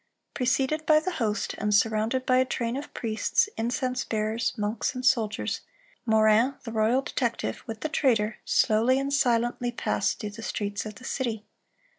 Preceded by the host, and surrounded by a train of priests, incense bearers, monks, and soldiers, Morin, the royal detective, with the traitor, slowly and silently passed through the streets of the city.